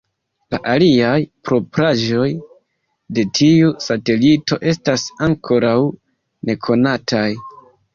La aliaj propraĵoj de tiu satelito estas ankoraŭ nekonataj.